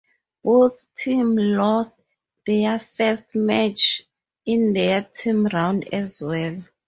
Both teams lost their first matches in the team round as well.